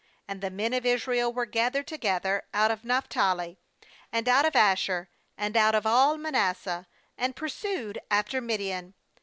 ^And the men of Israel were gathered to gether out of Naphtali, and out of Asher, and out of all Manasseh, and pursued after Midian.